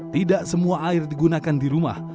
tidak semua air digunakan di rumah